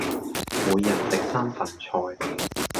每日食三份菜